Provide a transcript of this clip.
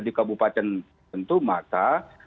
di kabupaten tentu mata